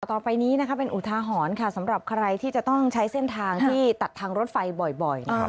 ต่อไปนี้นะคะเป็นอุทาหรณ์ค่ะสำหรับใครที่จะต้องใช้เส้นทางที่ตัดทางรถไฟบ่อยนะครับ